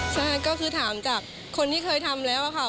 ใช่ก็คือถามจากคนที่เคยทำแล้วค่ะ